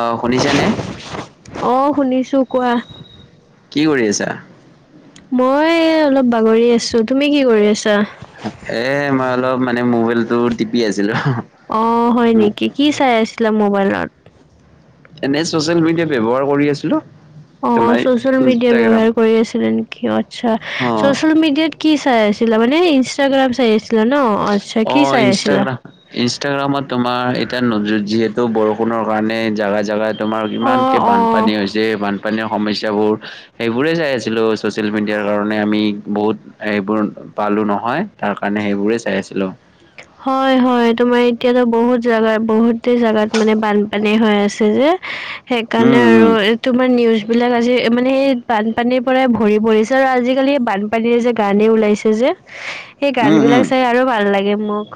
অ শুনিছা নে? অ শুনিছো কোৱা। কি কৰি আছা? মই অলপ বাগৰি আছো। তুমি কি কৰি আছা? এ মই অলপ মানে মোবাইলটো টিপি আছিলো। অ হয় নেকি কি চাই আছিলে মোবাইলত? এনে চচিয়েল মিডিয়া ব্যৱহাৰ কৰি আছিলো। অ তোমাৰ চচিয়েল মিডিয়া ইনষ্টাগ্ৰাম ব্যৱহাৰ কৰি আছিলে নেকি আতছা। অ চচিয়েল মিডিয়াত কি চাই আছিলা? মানে ইনষ্টাগ্ৰাম চাই আছি অ ইনষ্টাগ্ৰাম ইনষ্টাগ্ৰামত তোমাৰ এতিয়া যিহেতু বৰষুণৰ কাৰণে জোগা জোগাত তোমাৰ অ ইমানকৈ বানপানী অ হৈছে। বানপানীৰ সমস্যাবোৰ সেইবোৰে চাই আছিলো চচিয়েল মিডিয়াৰ কাৰণে আমি বহুত- এইেবোৰ পালো নহয়, তাৰ কাৰণে সেইবোৰে চাই আছিলো। হয়, হয় তোমাৰ এতিয়াতো বহুত জাগা বহুতে জাগাত মানে বানপানী হৈ আছে যে- সেইকাৰণে উম উম আৰু- তোমাৰ নিউজ বিলাক আজি মানে সেই বানপানীৰ পৰাই ভৰি পৰিছে, আৰু আজিকালি বান- পানীয়ে যে গানে ওলাইছে যে - [unintelligible] সেই গান বিলাক উম চাই আৰু ভাল লাগে মোক।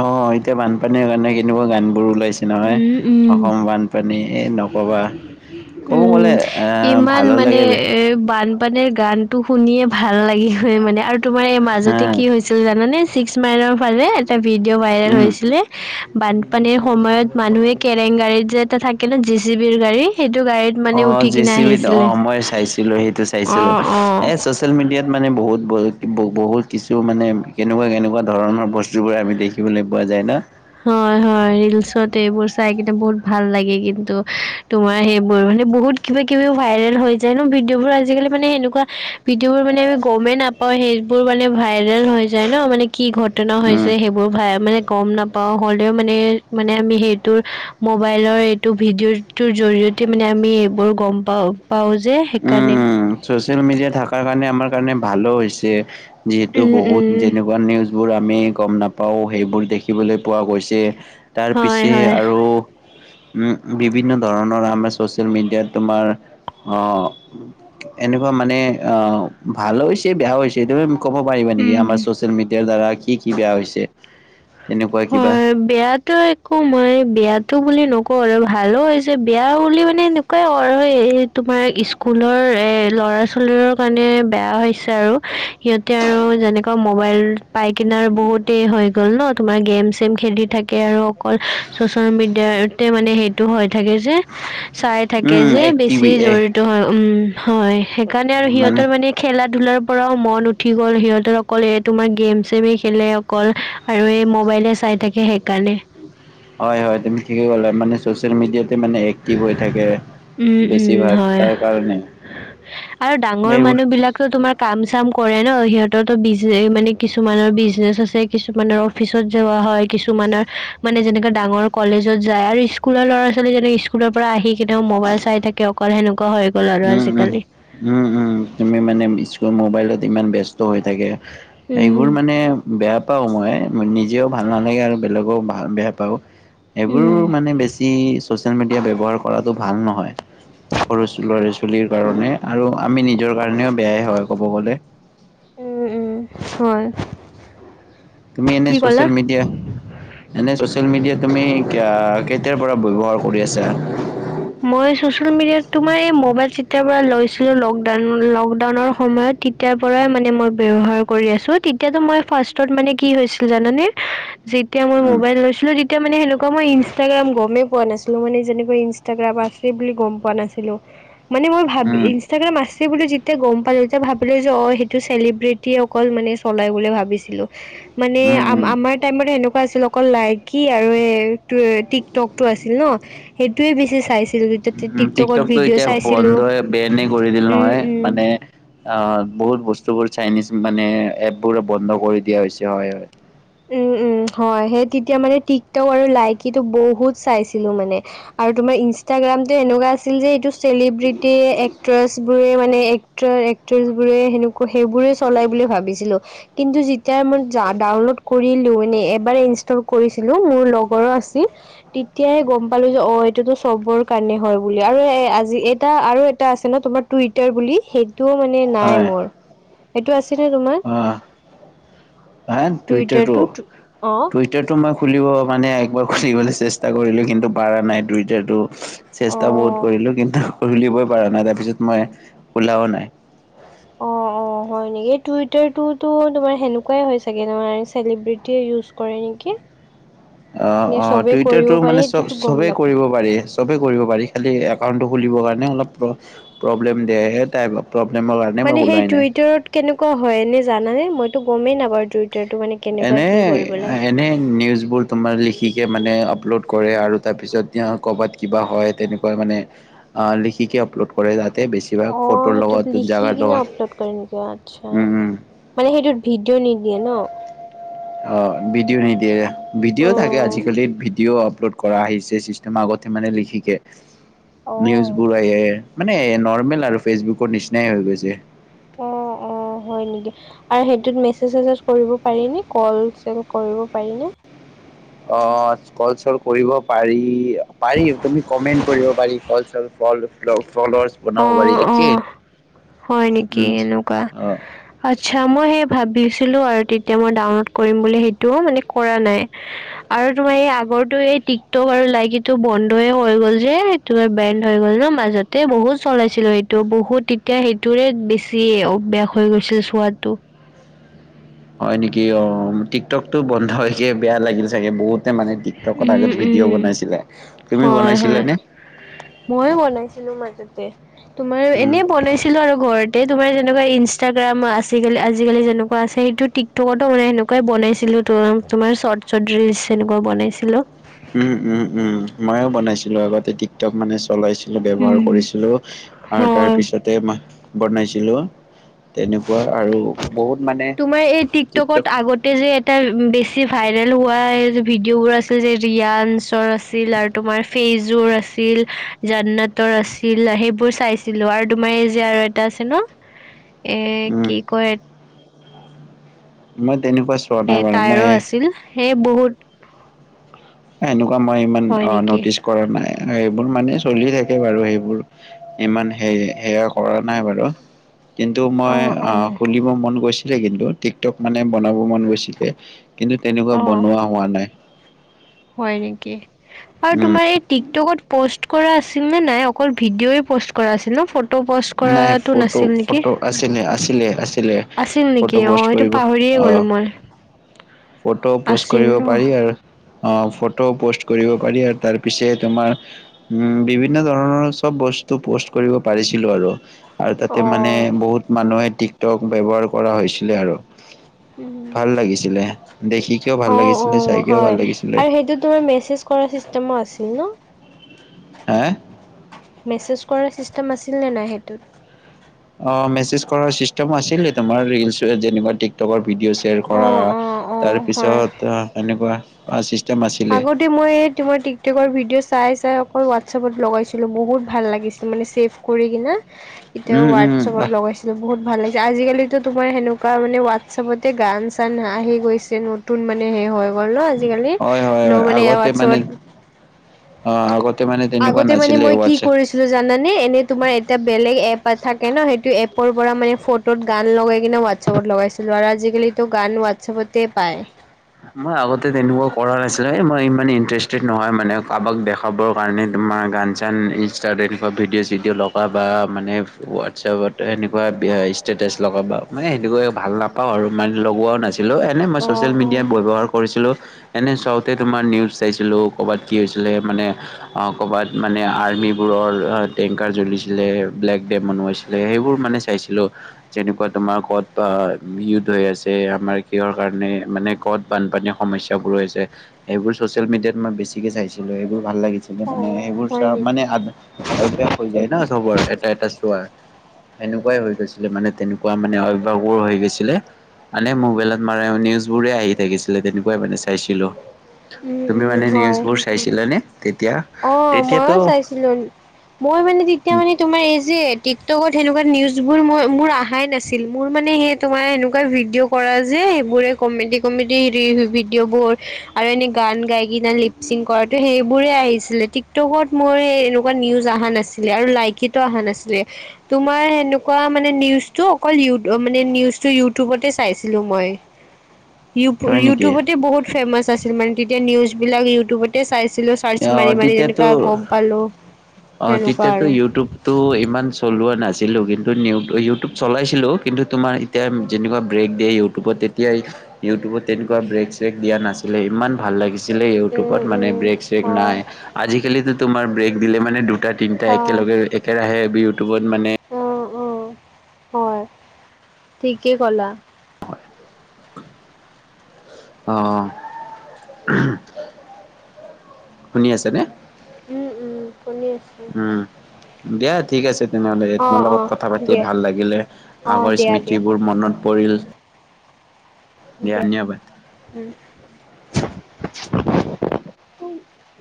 অ এতিয়া বানপানীৰ কাৰণে কেনেকুৱা গান বোৰ ওলাইছে। নহয়। উম, উম। অসম বানপানী এ নক'বা। ক'ব উম গ'লে এ ইমান ভালো মানে লাগে বে এ বান- পানীৰ গান টো শুনিয়ে ভাল লাগি হয়, মানে আৰু তোমাৰ এই হা মাজতে কি হৈছে- ছিল জানানে ছিক্স মাইলৰ ফালে এটা ভিডিঅ' ভাইৰেল উম। হৈছিলে বানপানীৰ সময়ত- মানুহে কেৰেং গাড়ীত যে এটা থাকে ন জে চি বিৰ গাড়ী সেইটো গাড়ীত- অ মানে উঠি জে কিনে চি বিত অ আহিছিলে মই চাইছিলো সেইটো অ চাইছিলো, অ এ- ছ'চিয়েল মিডিয়াত মানে বহুত বহুত কিছু মানে কেনেকুৱা কেনেকুৱা ধৰণ বস্তুবোৰ আমি দেখি- দেখিবলৈ পোৱা যায় ন। হয় হয়, ৰিলচত এইবোৰ চাই কিনে বহুত ভাল লাগে কিন্তু তোমাৰ সেইবোৰ মানে বহুত- কিবা কিবি ভাইৰেল হৈ যায় ন ভিডিঅ বোৰ আজিকি মানে সেনেকুৱা ভিডিঅ'বোৰ মানে আমি গমেই না- পাও সেইবোৰ মানে ভাইৰেল হৈ যায় ন মানে কি ঘটনা উম। হৈছে সেইবোৰ ভাই মানে গম নাপা- পাও হ'লেও মানে মানে আমি সেইটোৰ মোবাইলৰ এইটো ভিডিঅ'- টোৰ জৰিয়তে মানে আমি এইবোৰ গম পাওঁ পাওঁ যে সেইকাৰণে - ছ'চিয়েল মিডিয়া থকাৰ কাৰণে আমাৰ কাৰণে ভালো হৈছে, যিহেতু উম বহুত উম যেনে- নিউজবোৰ আমি গম নাপাও সেইবোৰ দেখিবলৈ পোৱা গৈছে। তাৰ হয় পিছে হয় আৰু- উম বিভিন্ন ধৰণৰ আমাৰ চ'চিয়েল মিডিয়াত তোমাৰ অ - এনেকুৱা মানে অ ভালো হৈছে বেয়াও হৈছে, তুমি- ক'ব পাৰিবা নেকি উম আমাৰ চচিয়েল মিডিয়াৰ দ্বাৰা কি কি বেয়া হৈছে। তেনেকুৱা কিবা হয়, বেয়াত - ত একো মই বিয়াতো বুলি নকওঁ আৰু ভালো হৈছে বেয়া বুলি মানে এটো- ক আৰু এই তোমাৰ স্কুলৰ এ ল'ৰা ছোৱালীৰৰ কাৰণে বেয়া হৈছে আৰু - সিহঁতে আৰু যেনেকুৱা মোবাইল পাই কিনে বহুতেই হৈ গ'ল ন। তোমাৰ গেম চেম খেলি থাকে আৰু অকল চচিয়েল মিডিয়াতে মানে সেইটো হৈ থাকে যে। চাই থাকে উম, যে বেছি এক্টিভি এ জৰিত হয় উম হয় সেইকাৰণে আৰু সিহঁতৰ মানে - খেলা ধলাৰ পৰাও মন উঠি গ'ল সিহঁতৰ অকল এই তোমাৰ গেম চেমে খেলে অকল- আৰু এই মোবাইলে চাই থাকে সেইকাৰণে। হয় হয়, তুমি ঠিকে কলা মানে চচিয়েল মিডিয়াত- মানে এক্টিভ হৈ থাকে উম উম বেছিভাগ হয় তাৰ কাৰণে। আৰু ডাঙৰ এইবোৰ মানুহ বিলাকো তোমাক- কাম চাম কৰে ন সিহঁতৰো বিজনে মানে কিছুমানৰ বিজনেচ আছে কিছুমানৰ- অফিচত যোৱা হয় কিছুমানৰ মানে যেনেকে ডাঙৰ কলেজত যায় আৰু স্কুলৰ ল'ৰা ছোৱালী যেনেকে স্কু- স্কুলৰ পৰা আহি কেনেও মোবাইল চাই থাকে অকল সেনেকুৱা হৈ গ'ল আৰু উম উম। আজিকালি। উম উম তুমি মানে স্কুল মোবাইলত ইমান ব্যস্ত হৈ থাকে। উম সেইবোৰ মানে বেয়া পাও মই নিজেও ভাল নালাগে আৰু বেলেগেও ভাল বেয়া পাওঁ। এইবোৰ উম মানে বেছি ছ'চিয়েল মিডিয়া ব্যৱহাৰ কৰাটো ভাল নহয়। সৰু ছোঁ ল'ৰা - ছোৱালীৰ কাৰণে আৰু আমি নিজৰ কাৰণেও বেয়াই হয় ক'ব গ'লে। উম উম হয়। তুমি এনে কি ক'লা? চচিয়েল মিডিয়া এনে চচিয়েল মিডিয়া তুমি কাঁ কেতিয়াৰ পৰা ব্যৱহাৰ কৰি আছা? মই চচিয়েল মিডিয়াত তোমাৰ এই মোবাইল চিত্ৰাৰ পৰা লৈছিলো লকডাউন লকডাউনৰ সময়ত তি তিয়াৰ পৰাই মানে মই ব্যৱহাৰ কৰি আছো তেতিয়াতো মই ফাৰ্ষ্টত মানে কি হৈছিল জানানে? যেতিয়া মই উম, মোবাইল লৈছিলো তেতিয়া মানে সেনেকা মই ইনষ্টাগ্ৰাম গমেই পোৱা নাছিলো মানে যেনেকৈ ইন্স টাগ্ৰাম বা আছে বুলি গম পোৱা নাছিলো মানে মই ভাবি উম, ইনষ্টাগ্ৰাম আচ চে বুলি যেতিয়া গম পালো তেতিয়া ভাবিলো যে অ সেইটো চেলিব্ৰিটি অকল মানে চলাই বুলি ভাবিছিলো। মানে উম, আ উম, আমাৰ টাইমত সেনেকুৱা আছিল অকল লাইকি আৰু এটো টিকটকটো আছিল ন। সেইটোয়ে বেছি চাইছিলো তেতিয়া। উম টিকটকত টিকটকটো ভিডিঅ' এতিয়া চাইছিলো বন্ধই বেনে কৰি দিল উম নহয় উম মানে অ বহুত বস্তুবোৰ চাইনিজ মানে এপবোৰোঁ বন্ধ কৰি দিয়া হৈছে হয় হয়। উম উম হয় সেই তেতিয়া মানে টিকটক আৰু লাইকিটো বহুত চাইছিলো মানে। আৰু তোমাৰ ইনষ্টাগ্ৰাম যে এনেকুৱা আছিল যে এইটো চেলিব্ৰিটি এক্ট্ৰেছবোৰে মানে ট্ৰ এক্ট্ৰেছবোৰে সেনেকুৱা সেইবোৰেই চলাই বুলি ভাবিছিলো। কিন্তু যেতিয়া মই জা ডাউনলোড কৰিলো মান এবাৰ ইনষ্টল কৰিছিলো মোৰ লগৰো আছিল তেতিয়াহে গম পালো যে অ এইটোতো চবৰ কাৰণে হয় বুলি আৰু আজি এটা আৰু এটা আছে ন তোমাৰ টুইটাৰ বুলি সেইটোও মানে নাই হয়, মোৰ এইটো আছে নে তোমাৰ? অ হে টুইটাৰটো অ', টুই তেওঁ তোমাৰ খুলিব মানে একবাৰ খুলিবলৈ চেষ্টা কৰিলো কিন্তু পাৰা নাই টোইটাৰটো। চেষ্টা বহুত অ'। কৰিলো কিন্তু উলিবই পৰা নাই তাৰ পিছত মই ওলাও নাই। অ অ। অ হয় নেকি? এই টুইটাৰটোতো তোমাৰ সেনেকুৱাই হয় চাগে তোমাৰ চেলিব্ৰিটিয়ে ইউজ কৰে নেকি? অ নে অ চবেই কৰিব টুইটাৰটো পাৰে মানে চব সেইটোতো গম চবেই নাপাওঁ। কৰিব পাৰি। চবেই কৰিব পাৰি, খালী একাউণ্টটো খুলিবৰ কাৰণে অলপ প্ৰ প্ৰব্লেম দিয়েহে তাই প্ৰব্লেমৰ কাৰণে মানে মই সেই ওলাই নাই। টুইটাৰত কেনেকুৱা হয় এনে জানানে? মইতো গমেই নাই বাৰু টুইটাৰটো মানে কেনেকুৱা এনে কি কৰিব আ লাগে। এনে নিউজবোৰ তোমাৰ লিখিকে মানে আপলোড কৰে আৰু তাৰপিছত ক'ৰবাত কিবা হয় তেনেকুৱা মানে অ লিখিকে আপল'ড কৰে যাতে বেছিভাগ অ', ফটোৰ সেইটোত লগত, লিখি জাগা কিনে আপলোড লগত কৰে নেকি আচ্ছা। উম উম। মানে সেইটোত ভিডিঅ' নিদিয়ে ন? অ ভিডিঅ' নিদিয়ে, ভিডিঅ' থাকে অ'। আজিকালি ভিডিঅ' আপলড কৰা আহিছে চিষ্টেম আগতে মানে লিখিকে, অ', নিউজবোৰ আহে মানে নৰ্মেল আৰু ফেচবুকৰ নিচিনাই হৈ গৈছে। [inaudible] অ', হয় নেকি আৰু সেইটোত মেচেজ - চেচেজ কৰিব পাৰি নে? কল চেল কৰিব পাৰি নে? অ কল চেল কৰিব পাৰি পাৰি তুমি কমেন্ট কৰিব পাৰি। ফ [unintelligible] বনাব পাৰি অ', একে। অ', হয় নেকি উম। এনেকুৱা। অ' আচ্ছা, মই সেই ভাবিছিলো আৰু তেতিয়া মই ডাউনলড কৰিম বুলি সেইটো মানে কৰা নাই। আৰু তোমাৰ এই আগৰটো এই টিকটক আৰু লাইকিটো বন্ধয়ে হৈ গ'ল যে। তোমাৰ বেণ্ড হৈ গ'ল ন মাজতে বহুত চলাইছিলো সেইটো বহুত এতিয়া সেইটোৰে বেছি অভ্যাস হৈ গৈছিল চোৱাটো। হয় নেকি অ টিকটকতো বন্ধকে বেয়া লাগিল চাগে বহুত। মানে টিকটক উম আগত ভিডিঅ' উম বনাইছিলে তুমি হয় বনাইছিলা হয় নে ময়ো বনাইছিলো মাজতে তোমাৰ উম, এনে বনাইছিল ছিলো আৰু ঘৰতে তোমাৰ যেনেকুৱা ইনষ্টাগ্ৰাম, আছিকালি আজিকালি যেনেকুৱা আছে সেইটো টীক- টকতো মানে সেনেকুৱাই বনাইছিলো ত তোমাৰ শৰ্ট শট ৰিলচ এনেকুৱা বনাইছিলো। উম উম উম ময়ও বনাইছিলো আগতে টিকটক মানে চলাইছিলো। ব্যৱহাৰ উম কৰিছিলো আৰু তাৰ হয় পিছতে মাহ বনাইছিলো। তেনেকুৱা আৰু বহুত মানে- তোমাৰ এই টিকটক টিকটকত আগতে যে এ বেছি ভাইৰেল হোৱা ভিডিঅ'বোৰ আছিল যে ৰিয়ানঞ্চৰ আছিল আৰু তোমাৰ- পিজোৰ আছিল জান্নাতৰ আছিল সেইবোৰ চাইছিলো আৰু তোমাৰ এই যে আৰু এটা আছে ন- উ [inaudible] এ কি কয়? মই তেনেকুৱা চোৱা এ নাই বাৰু মই তটাইৰো আছিল সে বহুত- এনেকুৱা মই ইমান হয় অ নেকি নটিচ কৰা নাই এইবোৰ মানে চলি থাকে বাৰু সেইবোৰ- ইমান সেই সেয়া কৰা নাই বাৰু কিন্তু অ মই অ আহ শুলিব মন গৈছিলে কিন্তু ঠিক ক মানে বনাব মন গৈছিলে। কিন্তু তেনেকুৱা অ বনোৱা হোৱা নাই। হয় নেকি আৰু উম তোমাৰ এই টিকটকত- প'ষ্ট কৰা আছিল নে নাই অকল ভিডিঅ' প'ষ্ট কৰা আছিল ন ফ নাই ফটো ফটো আছিলে আছিলে আছিলে ফ- আছিল নেকি ফটো অ পোষ্ট এইটো কৰিব পাহৰিয়ে অ গলো মই ফটো পোষ্ট আছিল কৰিব ন পাৰি। আৰু অ ফটো পোষ্ট কৰিব পাৰি আৰু তাৰ পিছে তোমাৰ উম বিভিন্ন ধৰণৰ চব বস্তু পোষ্ট কৰিব পাৰিছিল। ছিলো আৰু আৰু তাতে অ মানে বহুত মানুহে টিকটক ব্যৱহাৰ কৰা হৈছিলে। আৰু উম ভাল লাগিছিলে দেখিকিয়ও ভাল লাগিছিলে চাই কিয়ও ভাল লাগিছিলে এইটো তোমাৰ মেছেজ কৰা ছিষ্টেমো আছিল ন। হে- মেছেজ কৰাৰ ছিষ্টেম আছিলনে নাই সেইটোত অ মেছেজ কৰাৰ চিষ্টেম আছিলে তোমাৰ ৰিলছ যেনিবা টিক কৰ ভিডিঅ' শ্বেয়াৰ অ কৰা অ অ তাৰ হয় পিছত এেনেকুৱা চিষ্টেম আছে। আগতে মই এই আগতে মই টিকটকৰ ভিডিঅ' চাই চাই অকল হোৱাটছআপত লগাইছিলো বহুত ভাল লাগিছিল মানে ছেভ কৰি কিনা। এতিয়াও উম উম হোৱাটছএপত লগাইছে বহুত ভাল লাগিছে আজিকালিতো তোমাৰ সেনেকুৱা মান হোৱাটছএপতে গান চান আহি গৈছে নো নতুন মানে সেই হৈ গ'ল ন আজি কালি- হয় হয় ন হয় মানে আগতে মানে ৱাছচপত অ আগতে মানে তেনেকুৱা আগতে মানে নাছিলে মই কি হোৱাটছএপ কৰিছো। জানানে এনে তোমাৰ এতিয়া বেলেগ এপ থাকে ন সেইটো এপৰ পৰা মানে ফ ফত গান লগাই কিনে হোৱাটছআপত লগাইছোঁ আৰু আজিকালিতো গান হোৱাটছএপতেই পায়। মই আগতে তেনেকুৱা কৰা নাছিলো মই ইমান ইন্টাৰেষ্টেড নহয় মানে কাৰোবাক দে খাবৰ কাৰণে তোমাৰ গান চান ইনষ্টাগ এনেকুৱা ভিডিঅ' চিডিঅ' লগা বা মানে হোৱাটছএপত এনেকোৱা ষ্টেটাচ লগাবা মানে সেনেকোৱা ভাল নাপাও আৰু মানে লগোৱাও নাছিল দিলো এনে মই অ', চচিয়েল মিডিয়া ব্যৱহাৰ কৰিছিলো এনে চাউথ তাতে তোমাৰ নিউজ চাইছিলো ক'ৰবাত কি হৈছিলে মানে অ কৰবাত মানে আৰ্মি বৰুৱাৰ টেংকাৰ জ্বলিছিলে ব্লেক ডে মনোৱাইছি লে সেইবোৰ মানে চাইছিলো যেনেকোৱা তোমাৰ কত বা মিউত হৈ আছে আমাৰ কিহৰ কাৰণে মানে কত বানপানীৰ সমস্যাবোৰ হৈছে সেইবোৰ চচিয়েল মিডিয়াত মই বেছিকে চাইছিলো সেইবোৰ ভাল লাগিছিল অ', মানে অ', সেইবোৰ হয় চোৱাৰ মানে অভ্যাস হৈ যায় নেকি? ন চবৰ এটা এটা চোৱাৰ সেনেকোৱাই হৈ গৈছিলে মানে তেনেকোৱা মানে অভ্যাসবোৰ হৈ গৈছিলে আনে মোবাইলত মাৰে নিউজবোৰে আহি থাকিছিলে তেনেকোৱাই মানে চাইছিলো উম, তুমি উম, মানে হয়। নিউজবোৰ চাইছিলানে তেতিয়া অ তেতিয়াতো মইয়ো চাইছিলো মই মানে তেতিয়া মানে তোমাৰ এই যে টিকটকত সেনেকোৱা নিউজবোৰ মই মোৰ অহাই নাছিল মোৰ মানে সেই তোমাৰ এনেকোৱা ভিডিঅ' কৰা যে সেইবোৰে কমেডি কমেডি হেৰি ভিডিঅ' বোৰ আৰু এনে গান গাই কিনা লিপচিং কৰাটো সেইবোৰে আহি ছিলে টিকটকত মই এনেকোৱা নিউজ অহা নাছিলে আৰু লাইকিতো অহা নাছিলে তোমাৰ সেনেকোৱা মানে নিউজটো অকল মানে নিউজটো ইউটিউবতে চাইছিলো মই হয় ইউ নেকি ইউতিবতে বহুত ফেমাচ আছিল মানে তেতিয়া নিউজ বিলাক ইউতিবতে চাইছিলো চা অ মাৰি মাৰি এনেকা তেতিয়াতো গম পালো অ তেতিয়াতো ইউটিউব তো ইমান চলোৱা নাছিলো কিন্তু নিউ ইউটিউব চলাইছিলো কিন্তু তোমাৰ এতিয়া যেনেকোৱা ব্ৰেক দিয়ে ইউটিউবত তেতিয়াই ইউটিউবত তেনেকোৱা ব্ৰেক চেক দিয়া নাছিলে ইমান ভাল লাগি ছিলে উম ইউটিউবত মানে উম ব্ৰেক চেক হয়। নাই আজিকালিতো তোমাৰ ব্ৰেক দিলে মানে দুটা তিনিটা একেলগে একেৰাহে ইউটিউবত মানে অ অ হয় ঠিকেই ক'লা অহ উহ শুনি আছা নে উম উম শুনি আছো দিয়া ঠিক আছে তেনেহলে অ তোমাৰ অ লগত কথা পাতি দিয়া ভাল লাগিলে অ আগৰ দিয়া দিয়া স্মৃতিবোৰ মনত পৰিল দিয়া উম